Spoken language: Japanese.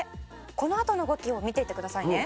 「このあとの動きを見ていてくださいね」